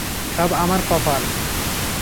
সব আমার কপাল!